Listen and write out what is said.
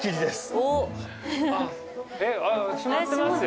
閉まってますよ？